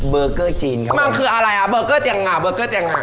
เบอร์เกอร์จีนครับมันคืออะไรอ่ะเบอร์เกอร์แจงงาเบอร์เกอร์แจงงา